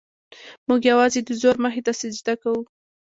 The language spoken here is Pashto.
موږ یوازې د زور مخې ته سجده کوو.